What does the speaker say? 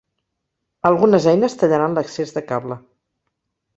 Algunes eines tallaran l'excés de cable.